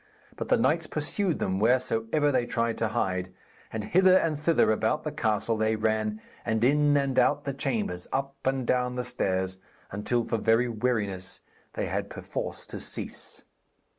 But the knights pursued them wheresoever they tried to hide, and hither and thither about the castle they ran, and in and out the chambers, up and down the stairs, until for very weariness they had perforce to cease.